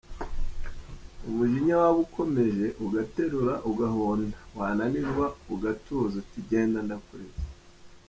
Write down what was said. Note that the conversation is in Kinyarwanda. Umujinya waba ukomeje Ugaterura ugahonda Wananirwa ugatuza Uti genda ndakuretse.